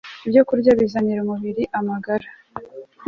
ibyokurya bizanira umubiri amagara